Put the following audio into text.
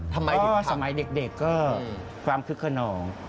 ทำไมดิค่ะอ๋อสมัยเด็กก็ความคึกขนอง